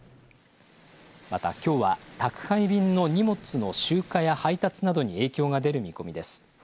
また、きょうは宅配便の荷物の集荷や配達などに影響が出る見込みです。